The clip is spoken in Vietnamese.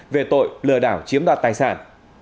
về tội lừa đảo chiếm đoạt tài sản